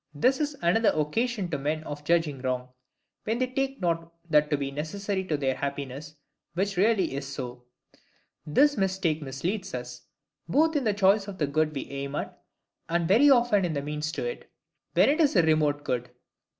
This is another occasion to men of judging wrong; when they take not that to be necessary to their happiness which really is so. This mistake misleads us, both in the choice of the good we aim at, and very often in the means to it, when it is a remote good.